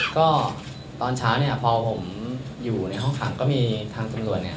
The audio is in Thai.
ก็ตอนเช้าเนี่ยพอผมอยู่ในห้องขังก็มีทางตำรวจเนี่ย